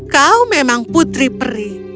kau memang putri pri